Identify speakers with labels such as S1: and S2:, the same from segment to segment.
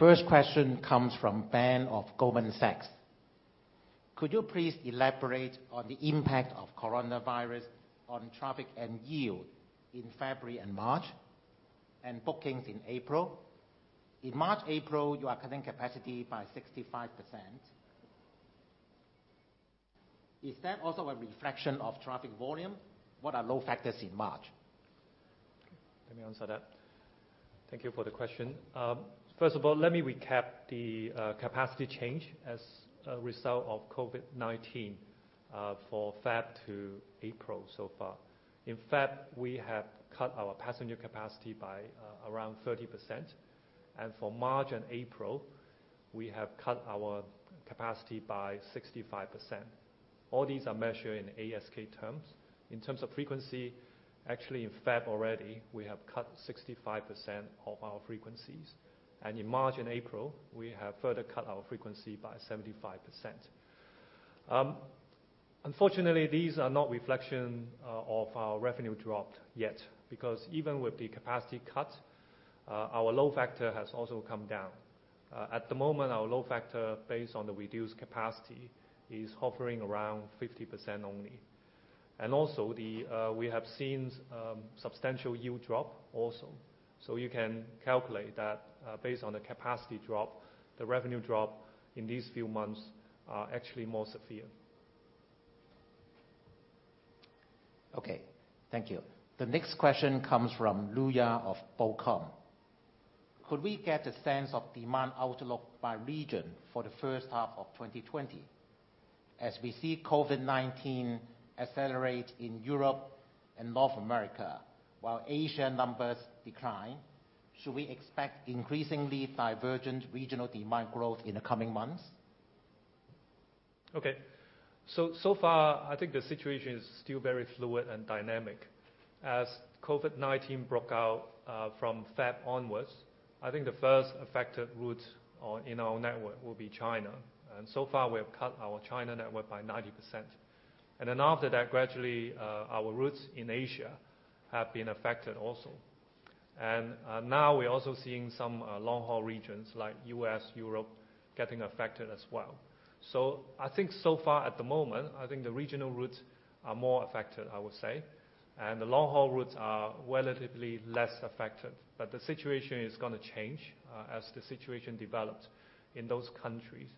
S1: First question comes from Ben of Goldman Sachs Group, Inc. Could you please elaborate on the impact of coronavirus on traffic and yield in February and March, and bookings in April? In March, April, you are cutting capacity by 65%. Is that also a reflection of traffic volume? What are load factors in March?
S2: Let me answer that. Thank you for the question. Let me recap the capacity change as a result of COVID-19 for Feb to April so far. In Feb, we have cut our passenger capacity by around 30%. For March and April, we have cut our capacity by 65%. All these are measured in ASK terms. In terms of frequency, actually in Feb already, we have cut 65% of our frequencies. In March and April, we have further cut our frequency by 75%. Unfortunately, these are not reflection of our revenue dropped yet, because even with the capacity cut, our load factor has also come down. At the moment, our load factor, based on the reduced capacity, is hovering around 50% only. Also, we have seen substantial yield drop also. You can calculate that based on the capacity drop, the revenue drop in these few months are actually more severe.
S1: Okay. Thank you. The next question comes from Luya of BoCom. Could we get a sense of demand outlook by region for the first half of 2020? As we see COVID-19 accelerate in Europe and North America while Asia numbers decline, should we expect increasingly divergent regional demand growth in the coming months?
S2: So far, I think the situation is still very fluid and dynamic. As COVID-19 broke out from February onwards, I think the first affected route in our network will be China. So far, we have cut our China network by 90%. After that, gradually, our routes in Asia have been affected also. Now, we're also seeing some long-haul regions like U.S., Europe, getting affected as well. I think so far at the moment, I think the regional routes are more affected, I would say, and the long-haul routes are relatively less affected. The situation is going to change as the situation develops in those countries.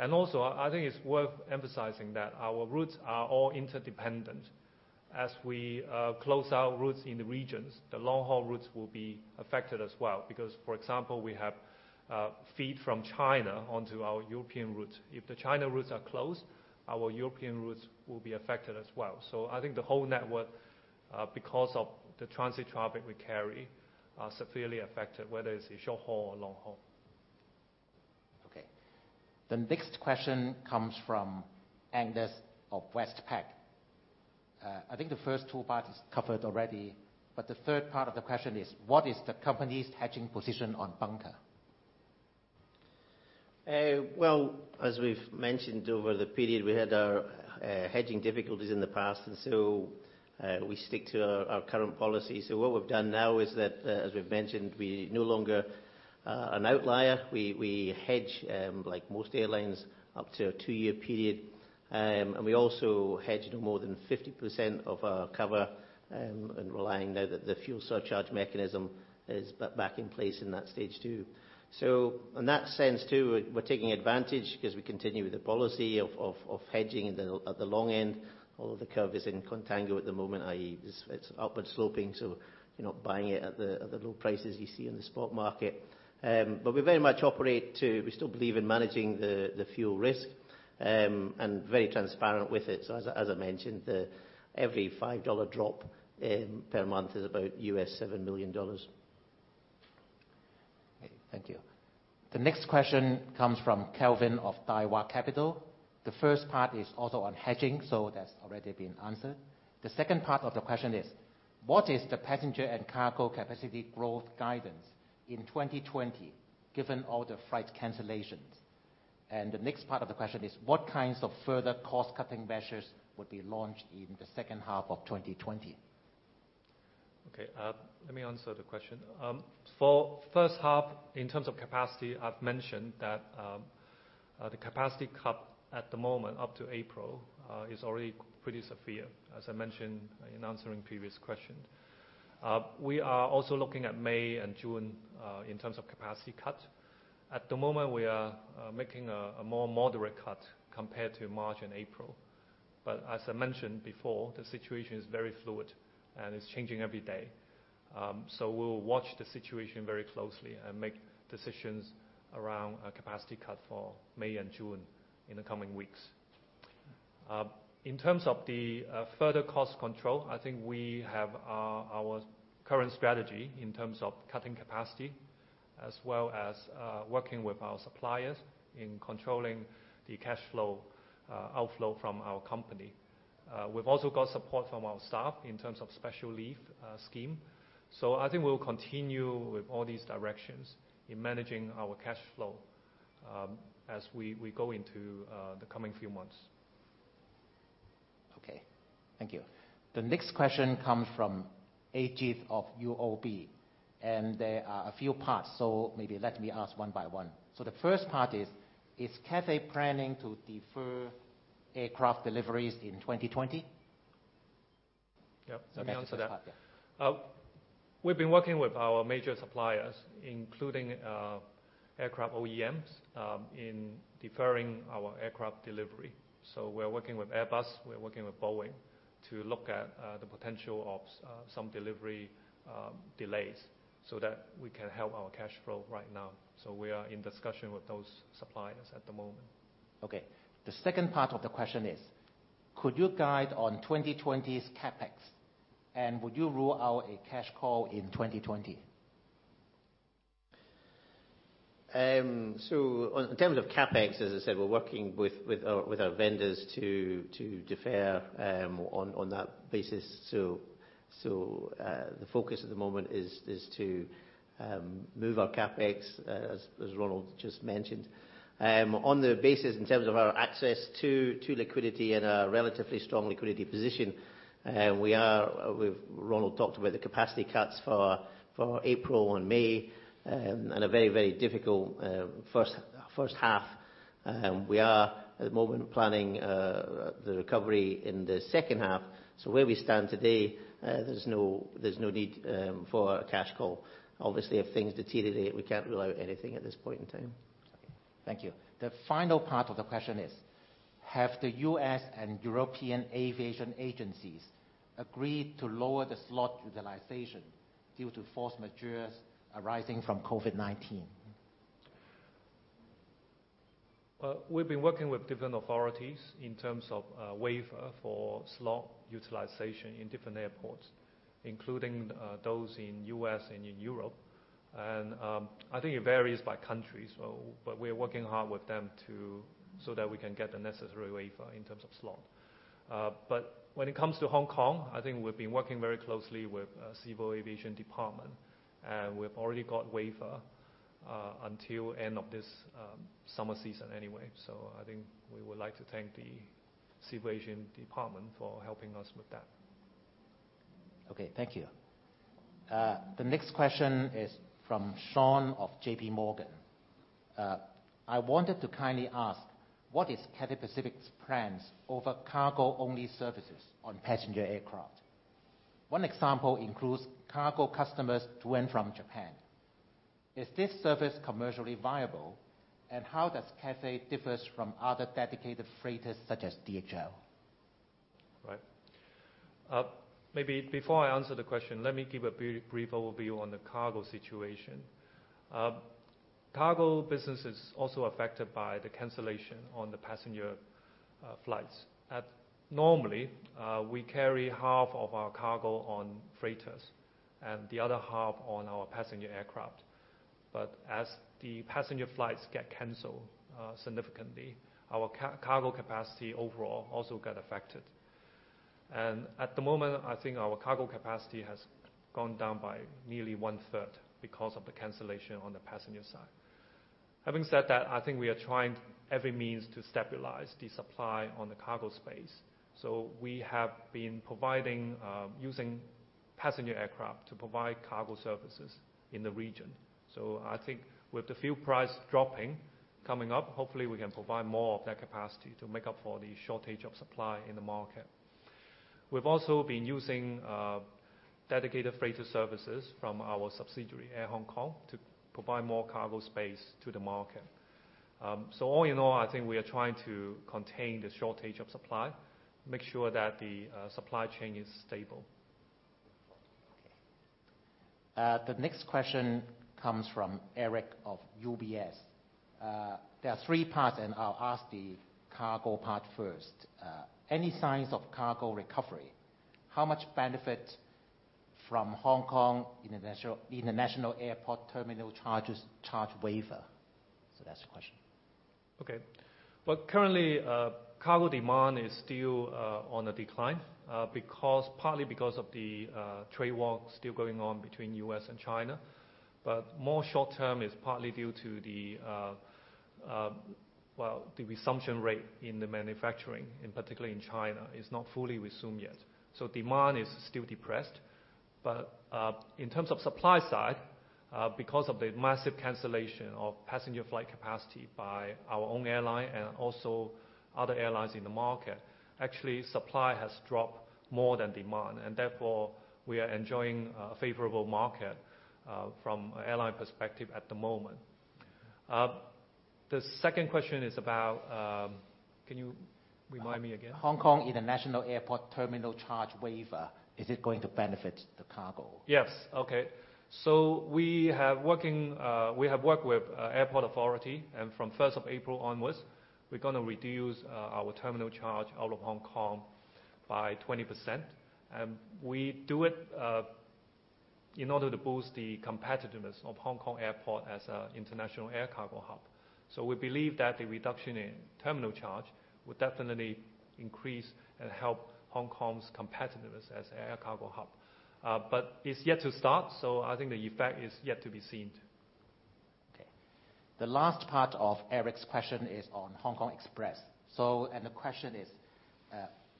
S2: Also, I think it's worth emphasizing that our routes are all interdependent. As we close our routes in the regions, the long-haul routes will be affected as well. For example, we have feed from China onto our European routes. If the China routes are closed, our European routes will be affected as well. I think the whole network, because of the transit traffic we carry, are severely affected, whether it's short-haul or long-haul.
S1: Okay. The next question comes from Angus of Westpac. I think the first two parts is covered already, but the third part of the question is, what is the company's hedging position on bunker?
S3: As we've mentioned over the period, we had our hedging difficulties in the past, and so we stick to our current policy. What we've done now is that, as we've mentioned, we're no longer an outlier. We hedge, like most airlines, up to a two-year period. We also hedge no more than 50% of our cover, and relying now that the fuel surcharge mechanism is back in place in that stage, too. In that sense too, we're taking advantage because we continue with the policy of hedging at the long end, although the curve is in contango at the moment, i.e., it's upward sloping, so you're not buying it at the low prices you see in the spot market. We very much still believe in managing the fuel risk, and very transparent with it. As I mentioned, every $5 drop in per month is about $7 million.
S1: Okay. Thank you. The next question comes from Kelvin of Daiwa Capital. The first part is also on hedging. That's already been answered. The second part of the question is, what is the passenger and cargo capacity growth guidance in 2020, given all the flight cancellations? The next part of the question is, what kinds of further cost-cutting measures would be launched in the second half of 2020?
S2: Okay. Let me answer the question. For first half, in terms of capacity, I've mentioned that the capacity cut at the moment up to April is already pretty severe, as I mentioned in answering previous question. We are also looking at May and June, in terms of capacity cut. At the moment, we are making a more moderate cut compared to March and April. As I mentioned before, the situation is very fluid and is changing every day. We'll watch the situation very closely and make decisions around a capacity cut for May and June in the coming weeks. In terms of the further cost control, I think we have our current strategy in terms of cutting capacity, as well as working with our suppliers in controlling the cash flow outflow from our company. We've also got support from our staff in terms of special leave scheme. I think we'll continue with all these directions in managing our cash flow as we go into the coming few months.
S1: Okay. Thank you. The next question comes from Ajith of UOB, and there are a few parts, so maybe let me ask one by one. The first part is: Is Cathay planning to defer aircraft deliveries in 2020?
S2: Yep. Let me answer that.
S1: Yeah.
S2: We've been working with our major suppliers, including aircraft OEMs, in deferring our aircraft delivery. We're working with Airbus, we're working with Boeing, to look at the potential of some delivery delays so that we can help our cash flow right now. We are in discussion with those suppliers at the moment.
S1: Okay. The second part of the question is: Could you guide on 2020's CapEx, and would you rule out a cash call in 2020?
S3: In terms of CapEx, as I said, we're working with our vendors to defer on that basis. The focus at the moment is to move our CapEx, as Ronald just mentioned. On the basis in terms of our access to liquidity and our relatively strong liquidity position, Ronald talked about the capacity cuts for April and May, and a very difficult first half. We are, at the moment, planning the recovery in the second half. Where we stand today, there's no need for a cash call. Obviously, if things deteriorate, we can't rule out anything at this point in time.
S1: Okay. Thank you. The final part of the question is: Have the U.S. and European aviation agencies agreed to lower the slot utilization due to force majeure arising from COVID-19?
S2: We've been working with different authorities in terms of a waiver for slot utilization in different airports, including those in the U.S. and in Europe. I think it varies by country. We're working hard with them so that we can get the necessary waiver in terms of slot. When it comes to Hong Kong, I think we've been working very closely with Civil Aviation Department, and we've already got waiver until end of this summer season anyway. I think we would like to thank the Civil Aviation Department for helping us with that.
S1: Okay, thank you. The next question is from Sean of JPMorgan Chase & Co. I wanted to kindly ask, what is Cathay Pacific's plans over cargo-only services on passenger aircraft? One example includes cargo customers to and from Japan. Is this service commercially viable, and how does Cathay differs from other dedicated freighters such as DHL?
S2: Right. Maybe before I answer the question, let me give a brief overview on the cargo situation. Cargo business is also affected by the cancellation on the passenger flights. Normally, we carry half of our cargo on freighters and the other half on our passenger aircraft. As the passenger flights get canceled significantly, our cargo capacity overall also get affected. At the moment, I think our cargo capacity has gone down by nearly one-third because of the cancellation on the passenger side. Having said that, I think we are trying every means to stabilize the supply on the cargo space. We have been using passenger aircraft to provide cargo services in the region. I think with the fuel price dropping coming up, hopefully we can provide more of that capacity to make up for the shortage of supply in the market. We've also been using dedicated freighter services from our subsidiary, Air Hong Kong, to provide more cargo space to the market. All in all, I think we are trying to contain the shortage of supply, make sure that the supply chain is stable.
S1: Okay. The next question comes from Eric of UBS. There are three parts. I'll ask the cargo part first. Any signs of cargo recovery? How much benefit from Hong Kong International Airport terminal charges charge waiver? That's the question.
S2: Okay. Well, currently, cargo demand is still on a decline, partly because of the trade war still going on between U.S. and China. More short term is partly due to the resumption rate in the manufacturing, and particularly in China. It's not fully resumed yet. Demand is still depressed. In terms of supply side, because of the massive cancellation of passenger flight capacity by our own airline and also other airlines in the market, actually supply has dropped more than demand, and therefore, we are enjoying a favorable market, from a airline perspective at the moment. The second question is about Can you remind me again?
S1: Hong Kong International Airport terminal charge waiver, is it going to benefit the cargo?
S2: Yes. Okay. We have worked with Airport Authority, and from 1st of April onwards, we're going to reduce our terminal charge out of Hong Kong by 20%. We do it in order to boost the competitiveness of Hong Kong Airport as a international air cargo hub. We believe that the reduction in terminal charge would definitely increase and help Hong Kong's competitiveness as a air cargo hub. It's yet to start, so I think the effect is yet to be seen.
S1: The last part of Eric's question is on HK Express. The question is: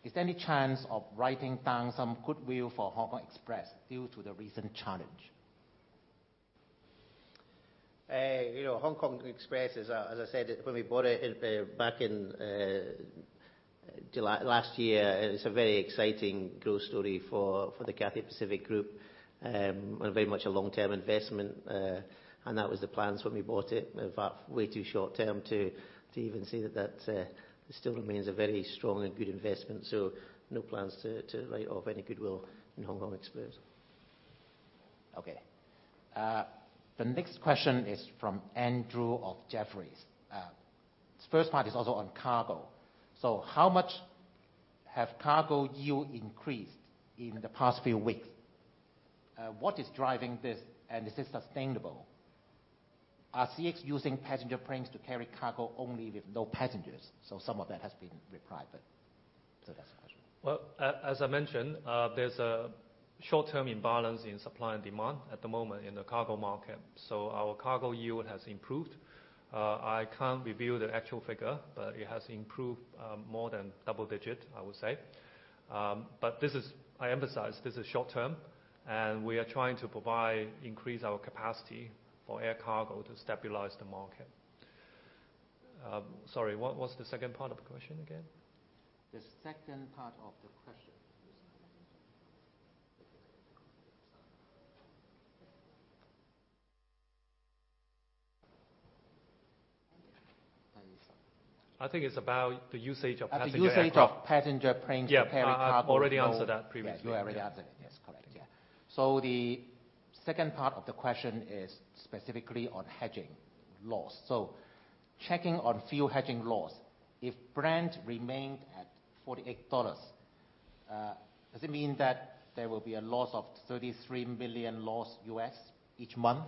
S1: Is there any chance of writing down some goodwill for HK Express due to the recent challenge?
S3: HK Express is, as I said, when we bought it back last year, it's a very exciting growth story for the Cathay Pacific Group, and very much a long-term investment. That was the plan when we bought it. In fact, way too short-term to even say that that still remains a very strong and good investment. No plans to write off any goodwill in HK Express.
S1: Okay. The next question is from Andrew of Jefferies. Its first part is also on cargo. How much have cargo yield increased in the past few weeks? What is driving this, and is it sustainable? Are CX using passenger planes to carry cargo only with no passengers? Some of that has been repriced. That's the question.
S2: Well, as I mentioned, there's a short-term imbalance in supply and demand at the moment in the cargo market. Our cargo yield has improved. I can't reveal the actual figure, it has improved more than double digit, I would say. I emphasize, this is short term, and we are trying to increase our capacity for air cargo to stabilize the market. Sorry, what was the second part of the question again?
S1: The second part of the question.
S2: I think it's about the usage of passenger aircraft.
S1: The usage of passenger planes to carry cargo.
S2: Yeah. I've already answered that previously.
S1: Yes, you already answered it. Yes. Correct. Yeah. The second part of the question is specifically on hedging loss. Checking on fuel hedging loss, if Brent remained at $48, does it mean that there will be a loss of $33 million loss U.S. each month?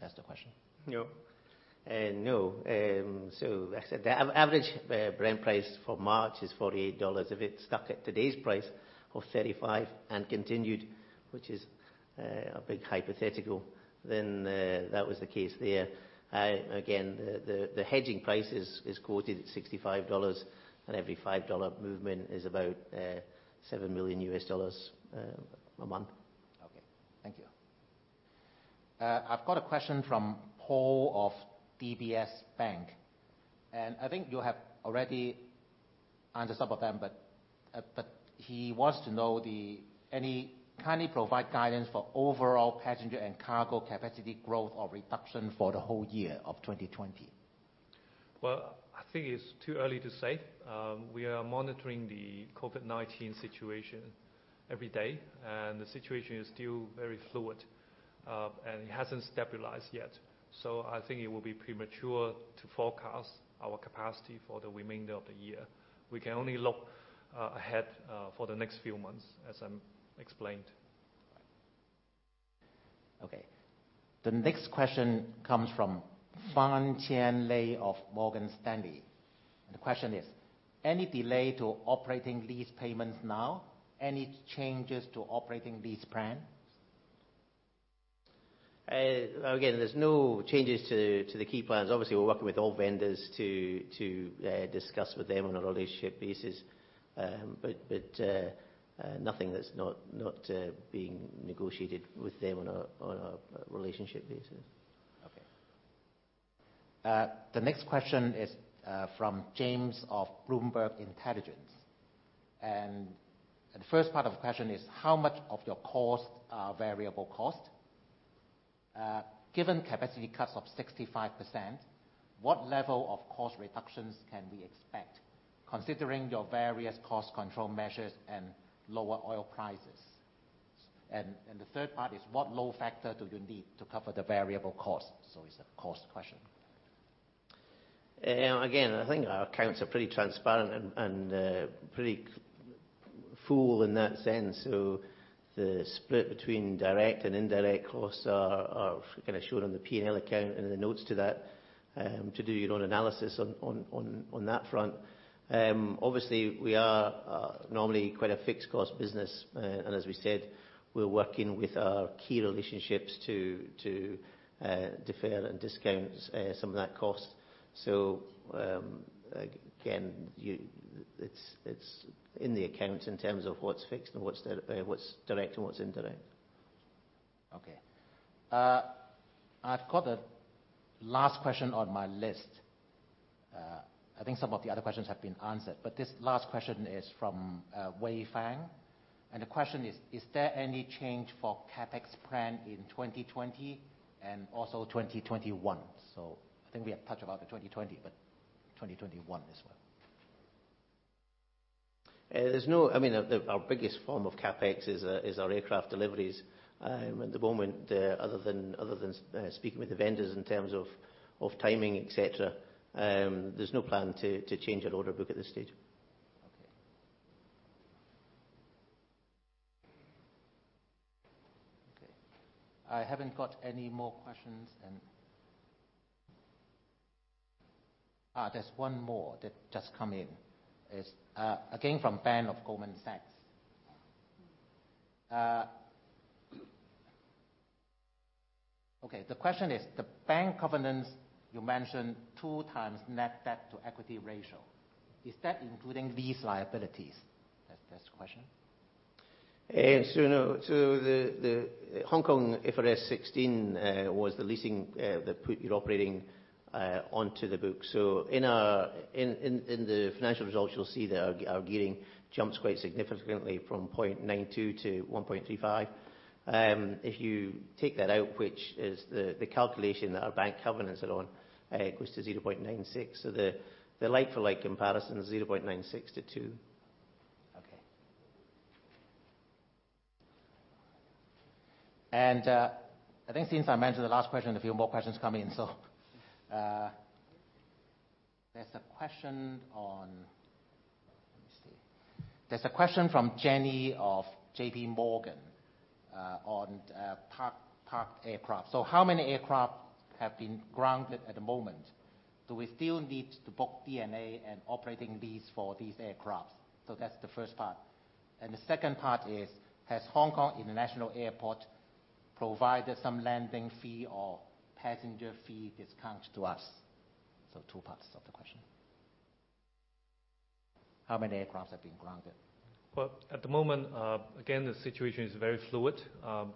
S1: That's the question.
S3: No. As I said, the average Brent price for March is $48. If it's stuck at today's price of $35 and continued, which is a big hypothetical, then that was the case there. Again, the hedging price is quoted at $65, and every $5 movement is about $7 million a month.
S1: Okay. Thank you. I've got a question from Paul of DBS Bank, and I think you have already answered some of them, but he wants to know, can you provide guidance for overall passenger and cargo capacity growth or reduction for the whole year of 2020?
S2: Well, I think it's too early to say. We are monitoring the COVID-19 situation every day. The situation is still very fluid. It hasn't stabilized yet. I think it would be premature to forecast our capacity for the remainder of the year. We can only look ahead, for the next few months, as I explained.
S1: Okay. The next question comes from Qianlei Fan of Morgan Stanley. The question is: Any delay to operating lease payments now? Any changes to operating lease plan?
S3: There's no changes to the key plans. Obviously, we're working with all vendors to discuss with them on a relationship basis. Nothing that's not being negotiated with them on a relationship basis.
S1: Okay. The next question is from James of Bloomberg Intelligence. The first part of the question is how much of your costs are variable cost? Given capacity cuts of 65%, what level of cost reductions can we expect, considering your various cost control measures and lower oil prices? The third part is what load factor do you need to cover the variable cost? It's a cost question.
S3: Again, I think our accounts are pretty transparent and pretty full in that sense. The split between direct and indirect costs are kind of shown on the P&L account and the notes to that, to do your own analysis on that front. Obviously, we are normally quite a fixed cost business. As we said, we're working with our key relationships to defer and discount some of that cost. Again, it's in the accounts in terms of what's fixed and what's direct and what's indirect.
S1: Okay. I've got a last question on my list. I think some of the other questions have been answered. This last question is from Wei Fang. The question is: Is there any change for CapEx plan in 2020 and also 2021? I think we have touched about the 2020, but 2021 as well.
S3: I mean, our biggest form of CapEx is our aircraft deliveries. At the moment, other than speaking with the vendors in terms of timing, et cetera, there's no plan to change our order book at this stage.
S1: Okay. Okay. I haven't got any more questions. There's one more that just come in. It's again from Ben of Goldman Sachs Group, Inc. The question is, the bank covenants, you mentioned two times net debt to equity ratio. Is that including these liabilities? That's the question.
S3: No. The Hong Kong FRS 16 was the leasing that put your operating onto the book. In the financial results, you'll see that our gearing jumps quite significantly from 0.92x to 1.35x. If you take that out, which is the calculation that our bank covenants are on, it goes to 0.96x. The like-for-like comparison is 0.96x to 2x.
S1: Okay. I think since I mentioned the last question, a few more questions come in, there's a question from Jenny of JPMorgan Chase & Co, on parked aircraft. How many aircraft have been grounded at the moment? Do we still need to book D&A and operating leases for these aircraft? That's the first part. The second part is, has Hong Kong International Airport provided some landing fee or passenger fee discount to us? Two parts of the question. How many aircraft have been grounded?
S2: Well, at the moment, again, the situation is very fluid,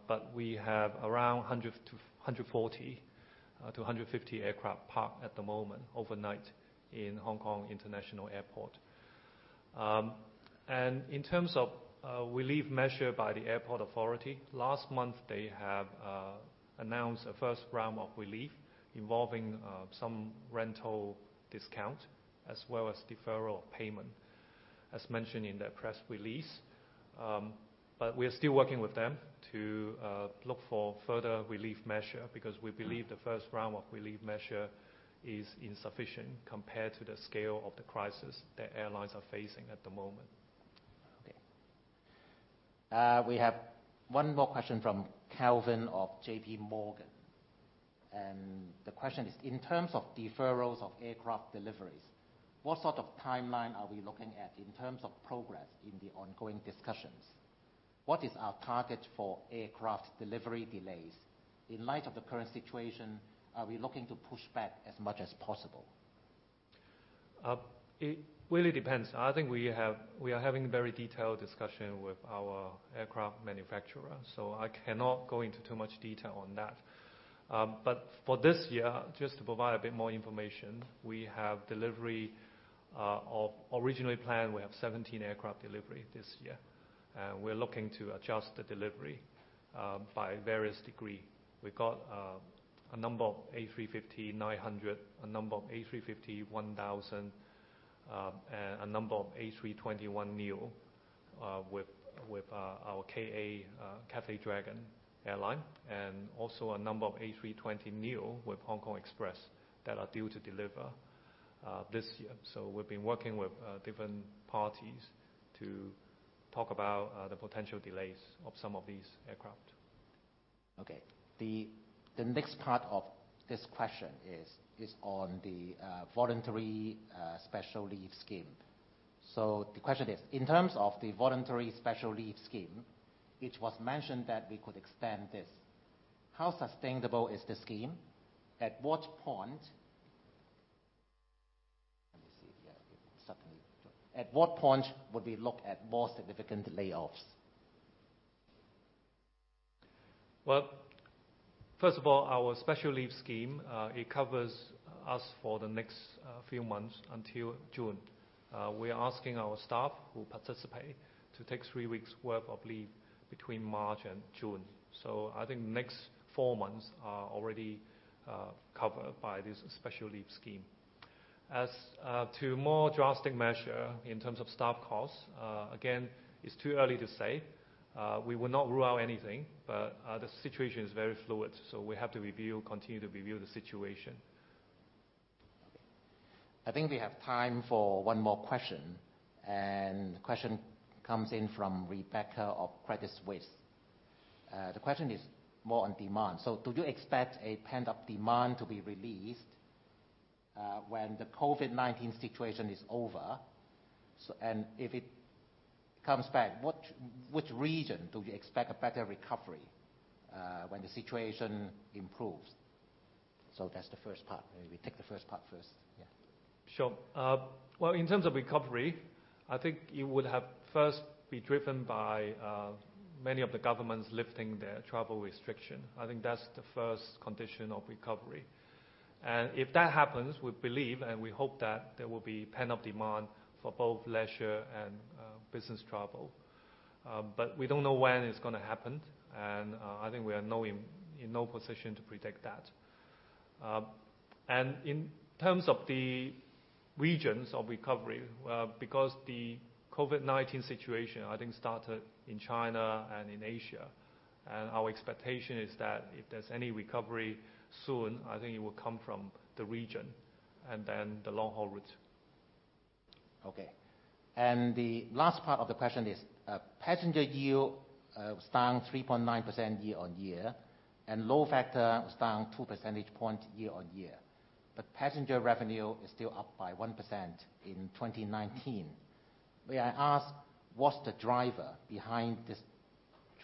S2: but we have around 140 to 150 aircraft parked at the moment overnight in Hong Kong International Airport. In terms of relief measure by the Airport Authority, last month, they have announced a first round of relief involving some rental discount as well as deferral payment, as mentioned in their press release. We are still working with them to look for further relief measure because we believe the first round of relief measure is insufficient compared to the scale of the crisis that airlines are facing at the moment.
S1: Okay. We have one more question from Kelvin of JPMorgan Chase & Co, the question is: In terms of deferrals of aircraft deliveries, what sort of timeline are we looking at in terms of progress in the ongoing discussions? What is our target for aircraft delivery delays? In light of the current situation, are we looking to push back as much as possible?
S2: It really depends. I think we are having a very detailed discussion with our aircraft manufacturer. I cannot go into too much detail on that. For this year, just to provide a bit more information, originally planned, we have 17 aircraft delivery this year. We're looking to adjust the delivery, by various degree. We got, a number of A350-900, a number of A350-1000, a number of A321neo, with our KA, Cathay Dragon Airline, and also a number of A320neo with Hong Kong Express that are due to deliver this year. We've been working with different parties to talk about the potential delays of some of these aircraft.
S1: Okay. The next part of this question is on the voluntary special leave scheme. The question is: In terms of the voluntary special leave scheme, it was mentioned that we could extend this. How sustainable is the scheme? At what point would we look at more significant layoffs?
S2: Well, first of all, our special leave scheme, it covers us for the next few months until June. We are asking our staff who participate to take three weeks' worth of leave between March and June. I think the next four months are already covered by this special leave scheme. As to more drastic measure in terms of staff costs, again, it's too early to say. We will not rule out anything, but, the situation is very fluid, so we have to continue to review the situation.
S1: Okay. I think we have time for one more question. The question comes in from Rebecca of Credit Suisse. The question is more on demand: Do you expect a pent-up demand to be released, when the COVID-19 situation is over? If it comes back, which region do we expect a better recovery, when the situation improves? That's the first part. Maybe take the first part first, yeah.
S2: In terms of recovery, I think it would have first be driven by many of the governments lifting their travel restriction. I think that's the first condition of recovery. If that happens, we believe, and we hope that there will be pent-up demand for both leisure and business travel. We don't know when it's gonna happen, and I think we are in no position to predict that. In terms of the regions of recovery, because the COVID-19 situation, I think, started in China and in Asia, and our expectation is that if there's any recovery soon, I think it will come from the region and then the long-haul route.
S1: Okay. The last part of the question is: passenger yield was down 3.9% year-on-year, and load factor was down two percentage point year-on-year. Passenger revenue is still up by 1% in 2019. May I ask, what's the driver behind this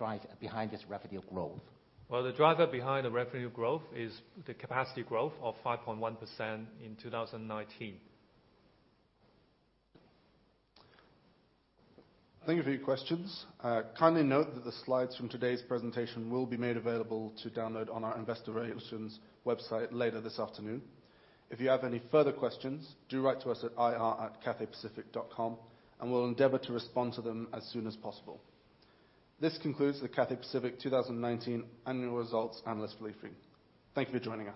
S1: revenue growth?
S2: Well, the driver behind the revenue growth is the capacity growth of 5.1% in 2019.
S3: Thank you for your questions. Kindly note that the slides from today's presentation will be made available to download on our investor relations website later this afternoon. If you have any further questions, do write to us at ir@cathaypacific.com, and we'll endeavor to respond to them as soon as possible. This concludes the Cathay Pacific 2019 annual results analyst briefing. Thank you for joining us.